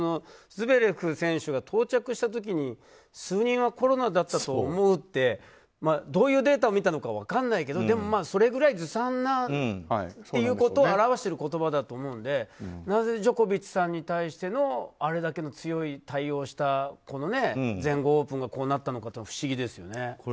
ズベレフ選手が到着した時に数人はコロナだったと思うってどういうデータを見たのか分からないけどそれぐらいずさんということを表している言葉だと思うのでなぜジョコビッチさんに対してあれだけの強い対応をした全豪オープンがこうなったのかというのが不思議ですね。